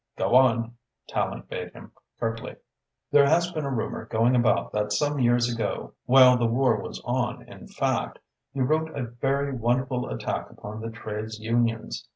"Go on," Tallente bade him curtly. "There has been a rumour going about that some years ago while the war was on, in fact you wrote a very wonderful attack upon the trades unions.